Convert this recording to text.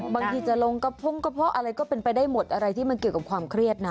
บางทีจะลงกระพงกระเพาะอะไรก็เป็นไปได้หมดอะไรที่มันเกี่ยวกับความเครียดนะ